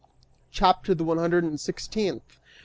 CHAPTER THE ONE HUNDRED AND SIXTEENTH.